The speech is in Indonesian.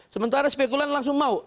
sementara spekulan langsung mau